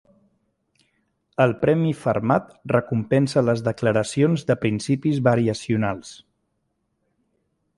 El premi Fermat recompensa les declaracions de principis variacionals.